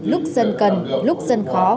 lúc dân cần lúc dân khó